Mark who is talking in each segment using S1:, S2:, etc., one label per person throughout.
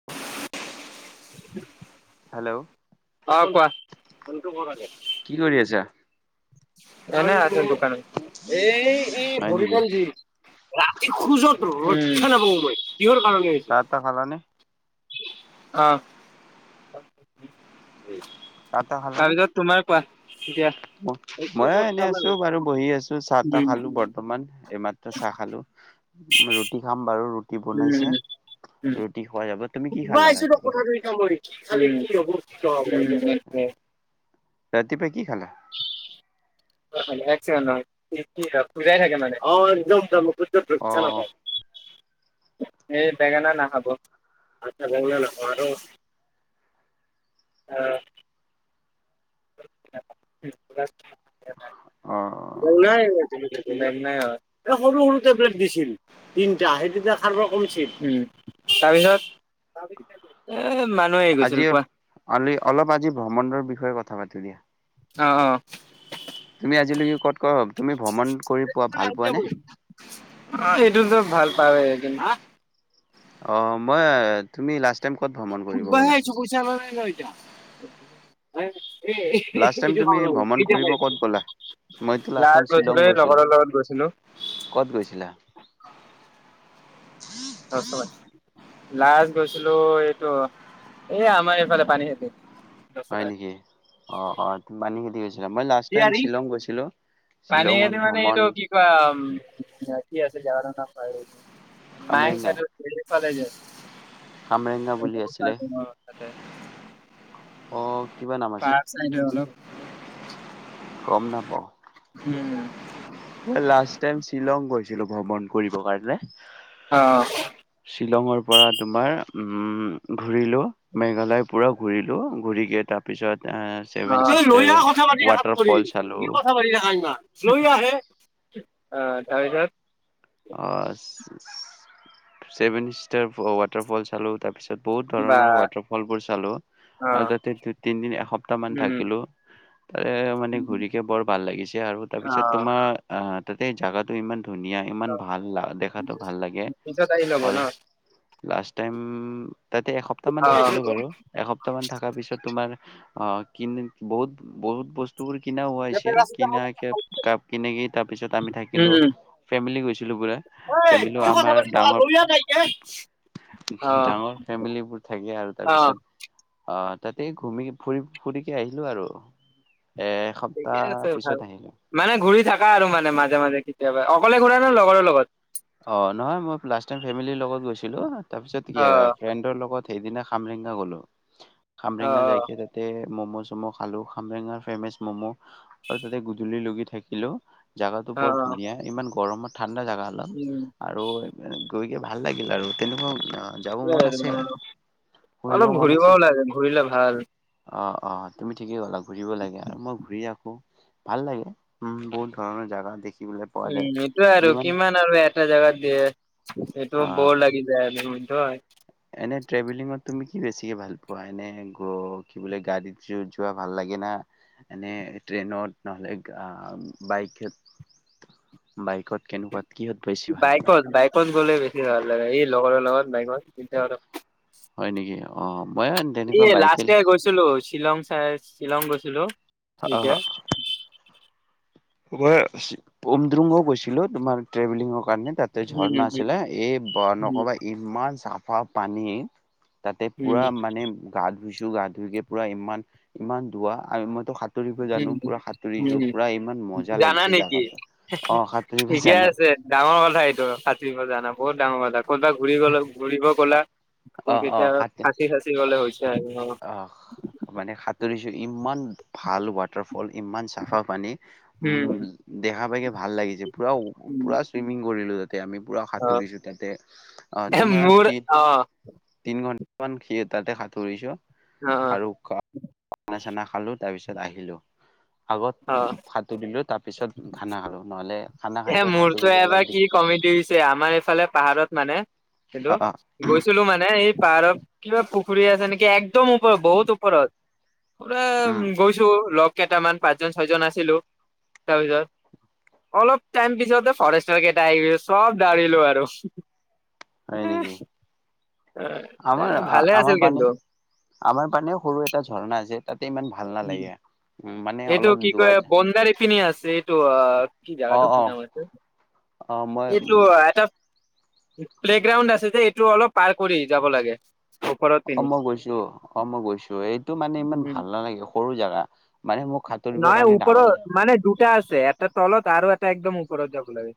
S1: [unintelligible] Hello
S2: অ'! কোৱা? [unintelligible]
S1: কি কৰি আছা?
S2: এনে আছোঁ দোকানত। এই, এই
S1: হয় নেকি?
S2: ভৰিখন [unintelligible] ৰাতি খোজত ৰক্ষা নাপাওঁ মই। কিহৰ কাৰণে হৈছে?
S1: চাহ খালানে?
S2: অ'!
S1: চাহ তাহ খালানে?
S2: তাৰপিছত, তোমাৰ কোৱা? এতিয়া। উম
S1: মইয়ো এনে আছোঁ বাৰু। বহি আছোঁ, চাহ-তাহ খালোঁ বৰ্তমান। এইমা চাহ খালোঁ। ৰুটি খাম বাৰু। ৰু ৰুটি বনাইছে,
S2: উম উম।
S1: ৰুটি খোৱা যাব। তুমি কি
S2: সুধবা
S1: খালা
S2: আহিছো ৰ
S1: ৰাতিপুৱা?
S2: [unintelligible]
S1: ৰাতিপুৱা কি খালা?
S2: [unintelligible] একচেকেণ্ড ল'। খোজাই থাকে মানে? অ'! একদম [unintelligible]
S1: অ'
S2: [unintelligible] এই, বেঙেনা নাখাব। আচ্ছা, বেঙেনা নাখাওঁ আৰু? অ'! [unintelligible]
S1: অ', অ'।
S2: নাই নাই এ সৰু সৰু টেবলেট দিছিল। তিনিটা, সেই তিনিটা খাৱাৰ পৰা কমচিল। তাৰপিছত এ মানুহে আহি
S1: আজি
S2: গৈছিল, কোৱা?
S1: অলি অলপ আজি ভ্ৰমণৰ বিষয়ে কথা পাতো দিয়া।
S2: অ', অ'।
S1: তুমি আজিলৈকে ক'ত ক'ত, তুমি ভ্ৰমণ কৰি পোৱা ভাল পোৱা নে?
S2: সেইটোতো যে ভাল পাবয়ে, কিন্তু
S1: অ' মই তুমি লাষ্ট টাইম ক'ত ভ্ৰমণ কৰিব
S2: সুধবহে
S1: গ'লা?
S2: আহিছো পইছা নাই অনা এতিয়া। এ
S1: লাষ্ট টাইম
S2: এইটো
S1: তুমি
S2: খাওঁ ৰ'ব,
S1: ভ্ৰমণ
S2: এতিয়া
S1: কৰিব
S2: খাই আহিছো।
S1: ক'ত গ'লা? মইতো লাষ্ট টাইম
S2: লাৰত
S1: শ্বিলং
S2: গৈছিলো এই লগৰৰ লগত গৈছিলোঁ।
S1: ক'ত গৈছিলা?
S2: [unintelligible] লাষ্ট গৈছিলো এইটো এ আমাৰ ইফালে পানীখাইতি।
S1: হয় নেকি? অ', অ' পানীখাইতি গৈছিলা। মই লা ষ্ট টাইম
S2: ইয়াৰি
S1: শ্বিলং গৈছিলোঁ। শ্বিলঙত ভ্ৰমণ
S2: কিবা কি আছিল জেগাটোৰ নাম পাহৰি থাকিলো নহয়, মায়ং
S1: খামৰেংগা
S2: চাইডে?
S1: খামৰেংগা বুলি আছিলে।
S2: [unintelligible]
S1: অ', কিবা নাম আছে।
S2: চাইডৰ অলপ
S1: গ'ম নাপাওঁ।
S2: উম।
S1: মই লাষ্ট টাইম শ্বিলং গৈছিলো ভমণ কৰিব কাৰণে।
S2: অ'।
S1: শ্বিলঙৰ পৰা তোমাৰ উম ঘূৰিলোঁ মেঘালয় পুৰা ঘূৰিলোঁ, ঘূৰিকে তাত পিছত এ
S2: তই লৈ আহ কথা পাতি থকাত কৰি,
S1: চালো।
S2: কি কথা পাতি থকা ইমান। চিঞৰি আহে, অ', তাৰ পিছত।
S1: অ', চেভেন ছিষ্টাৰ্ছ ৱাটাৰফল চালোঁ তাৰ পিছত বহুত
S2: বা
S1: ধৰণৰ ৱাটাৰফল বোৰ চালো। আৰু
S2: অ',
S1: তাতে দু, তিনদিন এসপ্তাহ মান
S2: উম,
S1: থাকিলো। তাৰে ঘূৰিকে বৰ ভাল লাগিছে আৰু, তাৰ পিছত
S2: অ'।
S1: তোমাৰ আহ তাতে জোগাটো ইমান ধুনীয়া ইমান ভাল দেখাতো ভাল লাগে,
S2: পিছত আহি ল'ব
S1: আৰু
S2: ন
S1: লাষ্ট টাইম তাতে এসপ্তহ মান
S2: অ'।
S1: থাকিলো বাৰু। এসপ সপ্তাহমন থকা পিছত তোমাৰ অ', কিন বহুত বহুত বছ স্তুবোৰ কিনা হোৱা হৈছে, কিনা কেপ কাপ কিনে কি তাৰ পিছত আমি থাকিলো। ফেমিলি গৈছ ছিলোঁ পুৰা।
S2: অ',
S1: ফেমিলি
S2: কি কথা
S1: আমাৰ
S2: পাতি থকা
S1: ডাঙৰ
S2: গলিয়া নাই ইতিয়া।
S1: ডাঙৰ ফেমিলিবোৰ থাকে আৰু। তাৰ
S2: অ',
S1: পিছত অ', তাতে ঘুমি ফুৰি, ফুৰি কে আহিলো আৰু। এ
S2: ঠিকে
S1: এসপ্তাহ
S2: আছে ভাল,
S1: পিছত আহিলো।
S2: মানে ঘূৰি থকা আৰু মানে মাজে মাজে কেতিয়াবা অকলে ঘুৰা নে লগৰ লগত?
S1: অ', নহয় মই লাষ্ট টাইম ফেমিলিৰ লগত গৈছিলো। তাৰ পিছত কি
S2: অ',
S1: ফ্ৰেণ্ডৰ লগত সেইদিনা খামৰিঙা গ'লো, খামৰিঙা যাই যাই
S2: অ',
S1: কিনে তে মমো-চমো খালো খামৰেঙা ফেমেষ্ট ম'ম' আৰু তাতে বোধুলি লোকেও থাকিলো। জেগাতো
S2: অ',
S1: বৰ
S2: অ',
S1: ধুনীয়া। ইমান গৰমত ঠাণ্ডা জোগা অলপ।
S2: উম।
S1: আৰু গৈ গে ভাল লাগিল আৰু তেনেকুৱা যাব মন আছে
S2: [unintelligible]
S1: ফুৰিব
S2: অলপ
S1: মন আছে।
S2: ঘূৰিবও লাগে ঘূৰিলে ভাল।
S1: অ অ তুমি ঠিকেই ক'লা ঘূৰিব লাগে আৰু মই ঘূৰি আহোঁ, ভাল লাগে উম বহুত ধৰণৰ জাগা দেখিবোলে
S2: উম এইটোয় আৰু কিমান আৰু এটা জাগাতে সেইটো
S1: অ',
S2: বৰ লাগি যায় [unintelligible]
S1: এনে ট্ৰেভেলিঙত তুমি কি বেছিকে ভাল পোৱা? এনে গ কি বোলে গাড়ীত [unintelligible] যোৱা ভাল লাগে না এনে ট্ৰেইনত নহ'লে আহ বাইক, বাইক
S2: বাইকত বাইকত গ'লে বেছি ভাল লাগে, এই লগৰৰ লগত বাইকত
S1: হয় নেকি অ মই তেনেকুৱা
S2: এ
S1: বাইকে
S2: লাষ্ট ইয়াৰ গৈছিলো শ্বিলং চাই শ্বিলং গৈছিলো। তেতিয়া
S1: অ'। পোন্দ্ৰুঙগো গৈছিলো তোমাৰ ট্ৰেভেলিঙৰ কাৰণে তাত
S2: উম
S1: ঝৰ্ণা আছিলে, এই নকবা ইমান চাফা পানী তাতে
S2: উম
S1: পুৰা
S2: উম
S1: মানে গা ধুইছো গা ধুইকে পুৰা ইমান ইমান ধুৱ আৰু মইতো সাতুৰিব
S2: উম
S1: জানো পুৰা সাঁতুৰিছো,
S2: উম
S1: পুৰা ইমান ম
S2: জানা নেকি, ঠিকে
S1: জানো
S2: আছে। ডাঙৰ কথা এইটো সাঁতুৰিব জানা বহুত ডাঙৰ কথা। ক'তবা ঘূৰি গলে ঘূৰিব গলা,
S1: অ অ
S2: কেতিয়া ফাচি ফাচি গ'লে হৈছে আৰু অ'।
S1: আহ মানে সাঁতুৰিছোঁ, ইমান ভাল ৱাত ৱাটাৰ ফল, ইমান চাফা পানী,
S2: উম
S1: উ দেখা পাইকে ভাল লাগিছে পুৰা পুৰা চুইমিং কৰিলো তাতে আমি পুৰা
S2: অ
S1: সাঁতুৰিছো তাতে অ
S2: এ
S1: তোমাৰ
S2: মোৰ অ
S1: তিনি ঘন্টা মান সি তাতে সাঁতোৰিছো
S2: অ',
S1: আৰু খানা-চানা খালো তাৰ পিছত আহিলো। আগত
S2: অ', অ
S1: ভাত তুলিলো তাৰপিছত খানা আৰু নহ'লে খানা
S2: এ
S1: খাইকে
S2: মোৰতো
S1: সাঁতুৰিব অলপ
S2: এবাৰ
S1: দিগ
S2: কি কমিডি হৈছে, আমাৰ এইফালে পাহাৰত মানে হেইটো
S1: অ', অ',
S2: গৈছিলো মানে এই পাহৰৰ কিবা পুখুৰী আছে নেকি একদম ওপৰত বহুত ওপৰত। পুৰা উম গৈছো লগ কেইটামান পাঁচজন ছয়জন আছিলো, তাৰপিছত অলপ টাইম পিছত ফৰেষ্টৰ কেইটা আহি চব দা়ৰিলোও আৰু।
S1: হয়
S2: উম
S1: নেকি
S2: এ
S1: আমাৰ
S2: ভালে
S1: আমাৰ
S2: আছিল
S1: পানে
S2: কিন্তু।
S1: আমাৰ পানেও সৰু এটা ঝৰ্ণা আছে তাতে ইমান ভাল
S2: উম
S1: নালাগে। উম মানে
S2: এইটো
S1: অলপ যোৱা
S2: কয় বনঝাৰি পিনি আছে এইটো অ কি
S1: অ অ
S2: জাগাটো নাম আছিল?
S1: অ মই
S2: এইটো এটা প্লেগাউন্দ আছে যে এইটো পাৰ কৰি যাব লাগে। ওপৰত
S1: অ
S2: পিনি
S1: মই গৈছো, অ মই গৈছো, এইটো মানে ইমান
S2: উম,
S1: ভাল নালাগে সৰু জোগা মানে মোৰ ঘাত
S2: নহয় ওপৰত, মানে দুটা আছে এটা তলত আৰু এটা একদম ওপৰত যাব লাগে।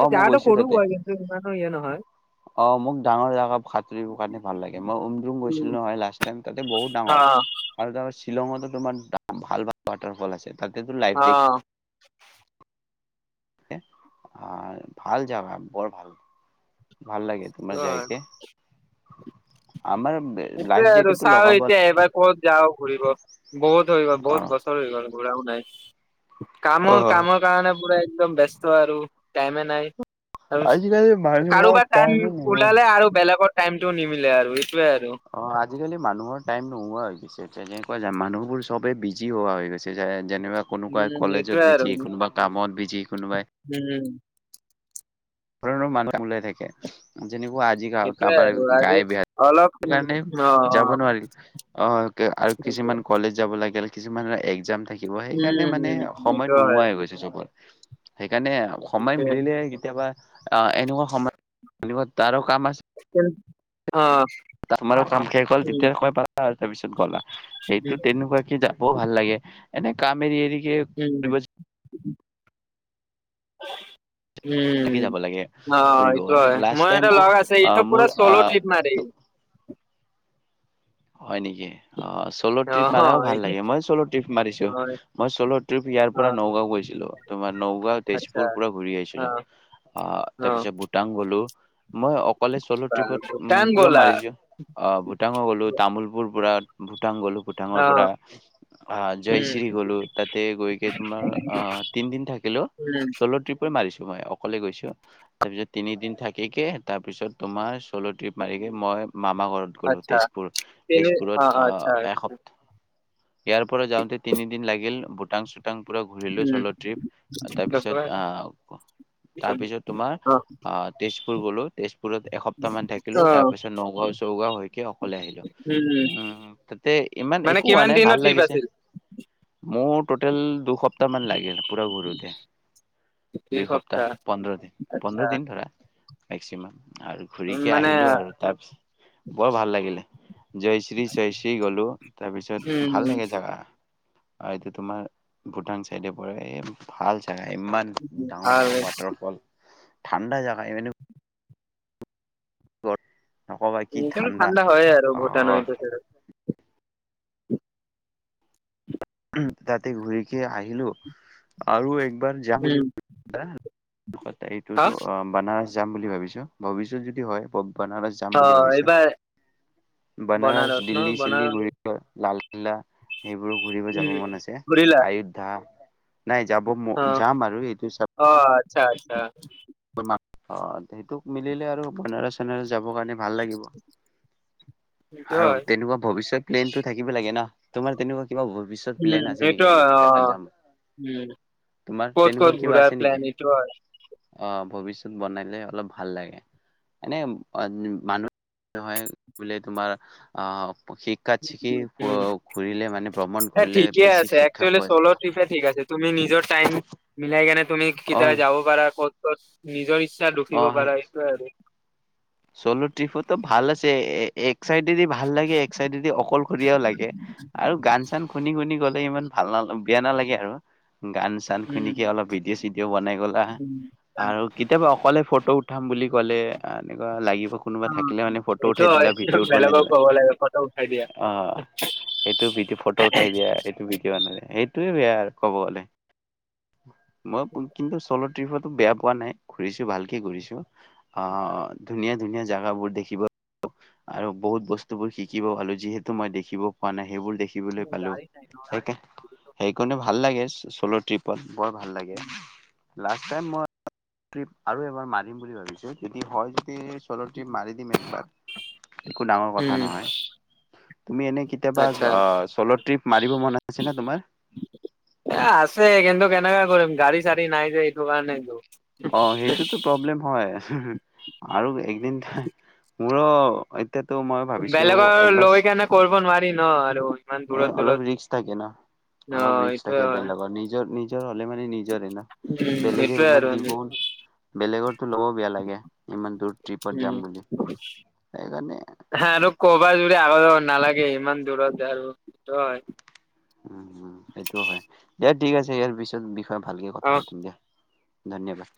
S1: অ
S2: এ
S1: মই
S2: যাগাটো
S1: গৈছো
S2: সৰু
S1: তাতে
S2: হয় আৰু কিন্তু ইমানো ইয়া নহয়।
S1: অ মোক ডাঙৰ জাগা সাঁতোৰিব কাৰণে ভাল লাগে, মই উমদুম গৈছিলো নহয় লাষ্ট টাইম তাতে বহুত ডাঙৰ।
S2: অ',
S1: আৰু তাৰ শ্বিলঙতো তোমাৰ ভাল ভাল ৱটাৰফল আছে তাতে লাইফ জেক
S2: অ',
S1: অ ভাল জাগা বৰ ভাল, ভাল লাগে
S2: সেইটো
S1: তোমাৰ
S2: হয়।
S1: জাইকে। আমাৰ লাইফ
S2: এটোয়ে আৰু
S1: জেকেটটো
S2: চাও
S1: লগাব
S2: এতিয়া এবাৰ কত যাও ঘূৰিব বহুত হৈ গ'ল
S1: অ
S2: বহুত বছৰ হৈ গ'ল ঘূৰাও নাই।
S1: অ
S2: কামৰ কামৰ কাৰণে পুৰা একদম ব্যস্ত আৰু টাইমে নাই।
S1: আজিকালি
S2: তাৰপিছত
S1: মানুহৰ
S2: কাৰোবাৰ টাইম
S1: টাইমে নোহোৱা
S2: ওলালে আৰু বেলেগৰ টাইমটো নিমিলে আৰু এইটোৱে আৰু।
S1: অ আজিকালি মানুহৰ টাইম নোহোৱা হৈ গৈছে যেনেকুৱা যাম মানুহবোৰ চবেই বিজি হোৱা হৈ গৈছে। গুচি যায়, যেনিবা কোনোবাই
S2: উম,
S1: কলেজত
S2: এইটোয়ে আৰু
S1: বিজি কোনোবা কামত বিজি কোনোবাই
S2: উম।
S1: পুৰা মানুহ ওলাই থাকে। যেনেকুৱা আজি
S2: এইটোয়ে
S1: কাৰোবাৰ
S2: আৰু আজি
S1: গায় বেয়া
S2: অলপ উম,
S1: কাৰণে
S2: অ',
S1: যাব
S2: অ',
S1: নোৱাৰিলো। অ আৰু কিছুমান কলেজ যাব লাগে কিছুমানৰ এক্সাম থাকিব সেইকাৰণে মানে
S2: উম,
S1: সময়
S2: সেইটো হয়।
S1: নোহোৱাই হৈ গৈছে চবৰ। সেইকাৰণে সময় মিলিলে কেতিয়াবা অ এনেকুৱা সময় তাৰো কাম আছে
S2: অ।
S1: ত আমাৰো কাম শেষ হ'ল,
S2: উম,
S1: তেতিয়া সময় পালা আৰু তাৰপিছত গলা সেইটো
S2: উম,
S1: তেনেকুৱাকে যা ব ভাল লাগে এনে কাম এৰি এৰিকে ফুৰিব
S2: উম উম
S1: যাব লাগে
S2: অ
S1: ফুৰিব
S2: এইটো
S1: কাৰণে
S2: হয়,
S1: লাষ্ট
S2: মই
S1: টাইম
S2: এটা
S1: মোৰ
S2: লগ আছে এইটো
S1: আহ মোৰ
S2: পুৰা চ'ল'
S1: আহ
S2: ট্ৰিপ মাৰে।
S1: হয় নেকি অ চ'ল' ট্ৰিপ
S2: অহ,
S1: মাৰাও
S2: হয়,
S1: ভাল লাগে, মই চ'ল' ট্ৰিপ মাৰিছো
S2: হয়,
S1: মই চ'ল' ট্ৰিপ ইয়াৰ
S2: অ,
S1: পৰা নগাঁও গৈছিলো। তোমাৰ নগাঁও
S2: আচ্ছা,
S1: তেজপুৰ পুৰা ঘূৰি
S2: অ,
S1: আহিছিলো। অ তাৰপিছত ভূটান গলো মই অকলে চ'ল'
S2: বা
S1: ট্ৰিপত
S2: ভূটান
S1: উম পুৰা
S2: ব'লা?
S1: মাৰিছো। অ ভূটান গ'লো তামোলপুৰ পৰা ভূটান গ'লো
S2: অ,
S1: ভূটানৰ পৰা। আ
S2: উম,
S1: জয়শ্ৰী গলো তাতে গৈকে তোমাৰ অ তিনদিন থাকিলো।
S2: উম।
S1: পুৰা মাৰিছো মই অকলে গৈছো। তাৰপিছত তিনিদিন থাকিকে তাৰপিছত তোমাৰ চ'ল' ট্ৰিপ মাৰিকে মই মামা ঘৰত গলো তেজপুৰত।
S2: তেনে অ অ
S1: আহ
S2: আচ্ছা।
S1: এসপ ইয়াৰ পৰা যাওঁতে তিনিদিন লাগিল ভূটান চুটান পুৰা ঘূৰিলো
S2: উম,
S1: চ'ল' ট্ৰিপ
S2: দহ টকা
S1: তাৰপিছত
S2: আছে,
S1: আহ
S2: চল্লিশ।
S1: তাৰপিছত তোমাৰ অ তেজপুৰ গলো তেজপুৰত এসপ্তাহ মান
S2: অ,
S1: থাকিলো তাৰপিছত নগাঁও নগাঁও হৈকে অকলে আহিলো। উম তাতে ইমান
S2: মানে
S1: একো হোৱা
S2: কিমান
S1: নাই
S2: দিনৰ
S1: ভাল
S2: ট্ৰিপ
S1: লাগিছে
S2: আছিল?
S1: মোৰ টোতেল দু সপ্তাহমান মান লাগিল পুৰা ঘূৰোতে। দুই সপ্তাহ পোন্ধৰ দিন
S2: আচ্ছা,
S1: পোন্ধৰ দিন ধৰা। মেক্সিমাম আৰু
S2: উম,
S1: ঘূৰিকে
S2: মানে
S1: আহিলো আৰু তাৰপিছত বৰ ভাল লাগিলে। জয়শ্ৰী চয়শ্ৰী গ'লো তাৰপিছত ভাল
S2: উম,
S1: লাগে জাগা। আৰু এতিয়া তোমাৰ ভূটান চাইডে পৰে এই ভাল জাগা ইমান ডাঙৰ
S2: ভাল
S1: ডাঙৰ ওৱাটাৰ ফল ঠাণ্ডা জাগা এইপিনে নকবা কি
S2: উম, কিন্তু
S1: ঠাণ্ডা
S2: হয়ে আৰু
S1: অ
S2: ভূটানৰ এইটো চাইডত,
S1: তাতে ঘূৰিকে আহিলো আৰু একবাৰ যাম বুলি
S2: উম, হা?
S1: এইটোতো অ বানাৰস যাম বুলি ভাবিছো ভৱিষ্যত যদি হয় বনাৰাস
S2: অ এইবাৰ
S1: বানাৰস,
S2: বনাৰাস ন
S1: দিল্লী চিল্লী
S2: বনাৰাস
S1: ঘূৰিব লালকিল্লা সেইবোৰো ঘূৰিব যাব মন আছে, আয়োধ্যা নাই যাব ম, যাম আৰু এইটো চাপ
S2: অ' আচ্ছা আচ্ছা।
S1: [unintelligible] অ' সেইটোক মিলিলে আৰু বানাৰছ চানেৰছ যাব কাৰণে ভাল লাগিব আৰু তেনেকুৱা ভৱিষ্যত প্লেনটো থাকিব লাগে না, তোমাৰ তেনেকুৱা কিবা ভবি
S2: উম, এইটো অ' উম,
S1: তোমাৰ
S2: ক'ত ক'ত
S1: তেনেকুৱা কিবা
S2: ঘূৰা
S1: আছে নেকি?
S2: প্লোন এইটো হয়।
S1: অ' ভৱিষ্যত বনালে অলপ ভাল লাগে। এনে মানুহ হয় বুলে তোমাৰ আহ, শিক কাত চিকি
S2: উম
S1: ঘূৰিলে মানে ভ্ৰমণ কৰিলে বেছি শিক্ষা পোৱা যায়।
S2: তিকে ঠিক আছে, তুমি নিজৰ টাইম মিলাই কেনে তুমি
S1: অ
S2: কেতিয়াবা যাব পাৰা ক'ত ক'ত নিজৰ ইছ ছাত ৰখিব পৰা এইটোয়ে আৰু।
S1: চলো ট্ৰিপতো ভাল আছে, এ-এক চাইডেদি ভাল লাগে এক চাইডেদি অকলশৰীয়াও লাগে। আৰু গান চান শুনি শুনি গ'লে ইমান ভাল না, বেয়া নালাগে আৰু গান চা টান
S2: উম
S1: খুনিকে অলপ ভিডিঅ' চিডিঅ' বনাই গ'লা।
S2: উম,
S1: আৰু কেতিয়াবা অকলে ফটো উঠাম বুলি ক'লে আ লাগিব কোনোবা
S2: অ,
S1: থাকিলে মানে ফটো
S2: এইটো
S1: উঠাই দিলে,
S2: হয়
S1: ভিডিঅ' বনাই
S2: বেলেগক
S1: নিদিলে
S2: ক'ব লাগে ফটো উঠাই দিয়া
S1: অ'। সেইটো ভি ফটো উঠাই দিয়া তা এইটো বিডিঅ' বনালে, সেইটোয়ে বেয়া ক'ব গ'লে, মই কিন্তু চলত ট্ৰিপতো বেয়া পোৱা নাই, ঘূৰিছোঁ ভালকে ঘূৰিছোঁ, আহ ধুনীয়া ধুনীয়া জাগাবোৰ দেখিব আৰু বহুত বস্তুবোৰ শিকিব পালোঁ যিহেতু মই দেখিব পোৱা নাই সেইবোৰ দেখি
S2: উ, গাড়ী [unintelligible]
S1: কনে ভাল লাগে চ'ল' ট্ৰিপত, বৰ ভাল লাগে। লাষ্ট টাইম মই ট্ৰিপত আৰু এবাৰ মাৰিম বুলি ভাবিছোঁ যদি হয় যদি চ'ল' ট্ৰিপত মাৰি দিম একবাৰ একো ডাঙৰ কথা
S2: উম
S1: নহয়। তুমি এনে কেতিয়াবা
S2: আচ্ছা
S1: অ' চ'ল' ট্ৰিপ মাৰিব মন আছেনে তোমাৰ?
S2: এ, আছে কিন্তু কেনেকা কৰিম, গাড়ী চাড়ী নাই যে এইটো কাৰণে।
S1: অ' সেইটোতো প্ৰব্লেম হয় আৰু একদিন মোৰো এতিয়াতো মই ভাবিছোঁ
S2: বেলেগৰ
S1: একবাৰ,
S2: লৈ কেনে কৰিব নোৱাৰি ন আৰু ইমান দূৰত দূৰত
S1: অলপ ৰিক্স থাকে না।
S2: ন
S1: অলপ ৰিক্স
S2: এইটোয়ে
S1: থাকে
S2: হয়।
S1: বেলেগৰ, নিজৰ নিজৰ হ'লে মানে নিজৰে না,
S2: উম
S1: বেলেগে
S2: এইটোয়ে আৰু
S1: ইমান দি বেলেগৰটো ল'ব বেয়া লাগে ইমান দূৰ ট্ৰিপত
S2: উম
S1: যাম বুলি। সেইকাৰণে
S2: আৰু ক'ৰবাত যোৰে আগতে নালাগে ইমান দূৰত আৰু সেইটো হয়।
S1: উ, উ, সেইটোও হয়। দিয়া ঠিক আছে ইয়াৰ পিছত বিষয়ে ভালকে কথা
S2: অ
S1: পাতিম দিয়া। ধন্যবাদ।